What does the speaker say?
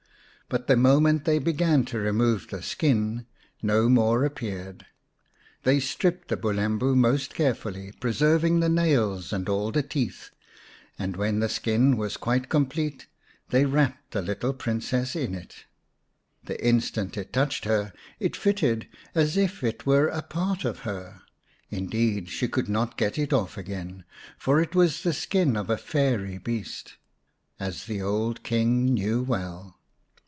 But the moment they began to remove the skin no more appeared. They stripped the Bulembu most carefully, preserving the nails and all the teeth, and when the skin was quite com plete they wrapped the little Princess in it. The instant it touched her it fitted as if it were a part of her ; indeed, she could not get it off again, for it was the skin of a fairy beast, as the old King knew well.